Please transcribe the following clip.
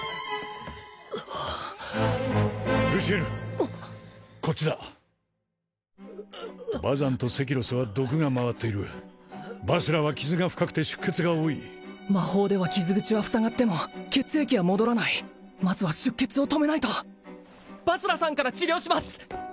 ルシエルこっちだバザンとセキロスは毒が回っているバスラは傷が深くて出血が多い魔法では傷口は塞がっても血液は戻らないまずは出血を止めないとバスラさんから治療します！